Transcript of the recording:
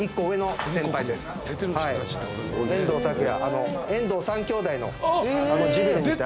遠藤拓哉。